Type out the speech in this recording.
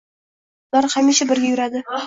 Ular hamisha birga yurardi